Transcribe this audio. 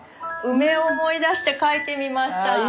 梅を思い出して描いてみました。